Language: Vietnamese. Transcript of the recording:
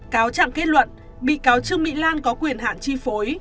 cáo trạng kết luận bị cáo trương mỹ lan có quyền hạn chi phối